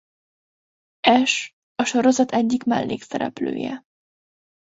Ash a sorozat egyik mellékszereplője.